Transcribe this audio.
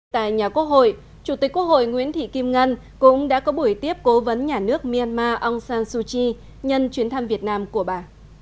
tại nhà quốc hội chủ tịch quốc hội nguyễn thị kim ngân cũng đã có buổi tiếp cố vấn nhà nước myanmar aung san suu kyi nhân chuyến thăm việt nam của bà